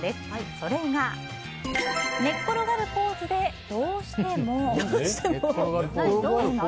それが、寝っ転がるポーズでどうしても。